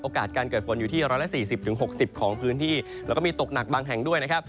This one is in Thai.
การเกิดฝนอยู่ที่๑๔๐๖๐ของพื้นที่แล้วก็มีตกหนักบางแห่งด้วยนะครับ